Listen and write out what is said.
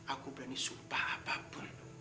aku berani sumpah apapun